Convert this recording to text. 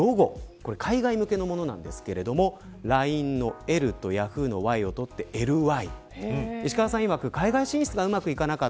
海外向けのロゴなんですけどＬＩＮＥのＬとヤフーのＹを取ってＬＹ。